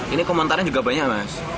ini komentarnya juga banyak mas